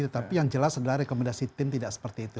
tapi yang jelas adalah rekomendasi tim tidak seperti itu